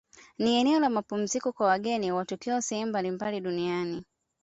Ni eneo la mapumziko kwa wageni watokao sehemu mbalimbali duniani